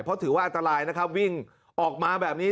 เพราะถือว่าอันตรายนะครับวิ่งออกมาแบบนี้